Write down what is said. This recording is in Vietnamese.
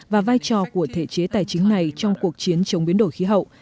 và vai trò của thể chế tài chính này trong cuộc chiến chống biến đổi khí hậu